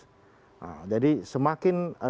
jadi semakin anda bisa membuktikan kepada orang tua